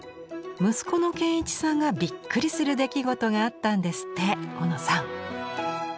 息子の賢一さんがびっくりする出来事があったんですって小野さん。